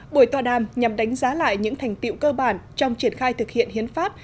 buổi tòa đàm nhằm đánh giá lại những thành tiệu cơ bản trong triển khai thực hiện hiến pháp